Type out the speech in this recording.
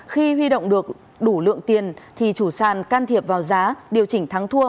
khi huy động được đủ lượng tiền thì chủ sàn can thiệp vào giá điều chỉnh thắng thua